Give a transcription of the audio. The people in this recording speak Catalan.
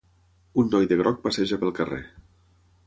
Un noi de groc passeja pel carrer.